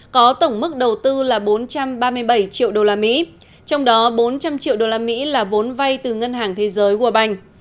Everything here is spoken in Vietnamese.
có tổng mức đầu tư là bốn trăm ba mươi bảy triệu đô la mỹ trong đó bốn trăm linh triệu đô la mỹ là vốn vay từ ngân hàng thế giới world bank